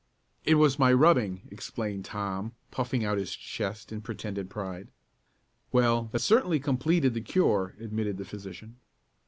"It was my rubbing," explained Tom, puffing out his chest in pretended pride. "Well, that certainly completed the cure," admitted the physician.